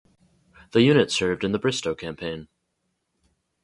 The unit served in the Bristoe campaign.